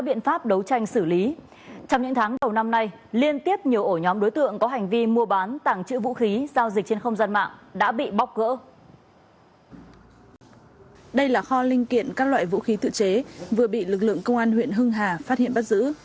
đây là kho linh kiện các loại vũ khí tự chế vừa bị lực lượng công an huyện hưng hà phát hiện bắt giữ